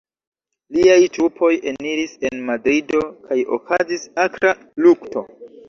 Liaj trupoj eniris en Madrido kaj okazis akra lukto.